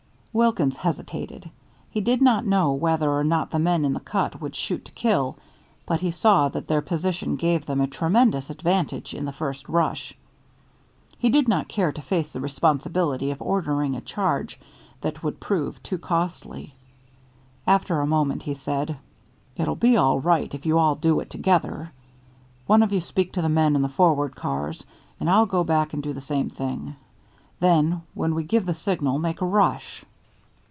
Wilkins hesitated. He did not know whether or not the men in the cut would shoot to kill, but he saw that their position gave them a tremendous advantage in the first rush. He did not care to face the responsibility of ordering a charge that would prove too costly. After a moment he said: "It'll be all right if you all do it together. One of you speak to the men in the forward cars and I'll go back and do the same thing. Then when we give the signal make a rush."